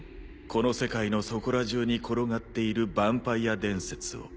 この世界のそこら中に転がっているヴァンパイア伝説を。